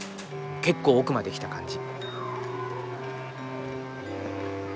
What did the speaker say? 結構奥まで来た感じ。